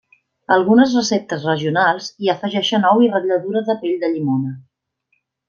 Algunes receptes regionals hi afegeixen ou i ratlladura de pell de llimona.